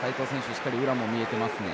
しっかり裏も見えてますね。